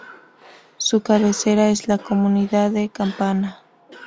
Su cabecera es la comunidad de Campana.